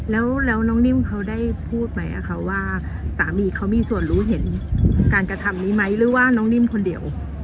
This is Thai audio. แล้วน้องนิ่มเขาได้พูดไหมคะว่าสามีเขามีส่วนรู้เห็นการกระทำนี้ไหมหรือว่าน้องนิ่มคนเดียว